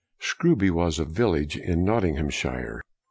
Scrooby was a village in Nottinghamshire.